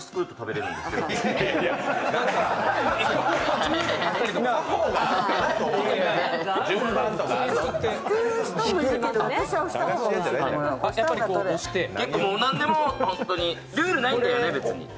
なんでもルールないんだよね、別に。